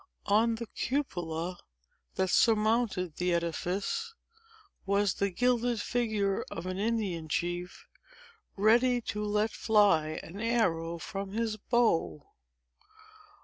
On the cupola, that surmounted the edifice, was the gilded figure of an Indian chief, ready to let fly an arrow from his bow.